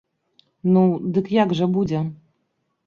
Ну, дык як жа будзе?